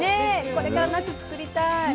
これから夏作りたい。